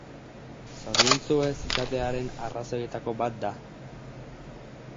Zoriontsu ez izatearen arrazoietako bat da.